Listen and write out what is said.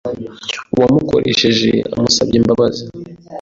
uwamukoshereje amusabye imbabazi